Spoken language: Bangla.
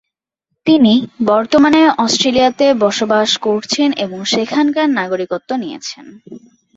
তিনি বর্তমানে অস্ট্রেলিয়াতে বসবাস করছেন এবং সেখানকার নাগরিকত্ব নিয়েছেন।